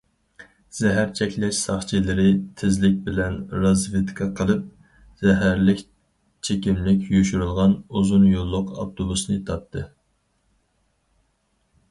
زەھەر چەكلەش ساقچىلىرى تېزلىك بىلەن رازۋېدكا قىلىپ، زەھەرلىك چېكىملىك يوشۇرۇلغان ئۇزۇن يوللۇق ئاپتوبۇسنى تاپتى.